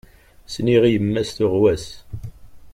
Sliɣ i yemma-s tuɣwas.